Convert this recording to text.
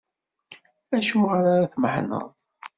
Acuɣer ara tmeḥḥneɣ?